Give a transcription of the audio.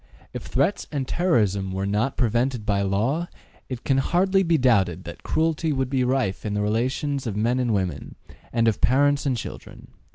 If threats and terrorism were not prevented by law, it can hardly be doubted that cruelty would be rife in the relations of men and women, and of parents and children.